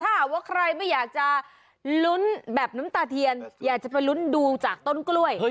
ถ้าหากว่าใครไม่อยากจะลุ้นแบบน้ำตาเทียนอยากจะไปลุ้นดูจากต้นกล้วย